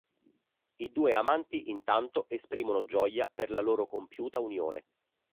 I due amanti intanto esprimono gioia per la loro compiuta unione.